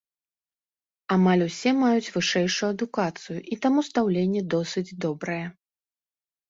Амаль усе маюць вышэйшую адукацыю і таму стаўленне досыць добрае.